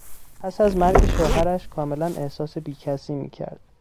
پس از مرگ شوهرش کاملا احساس بیکسی میکرد.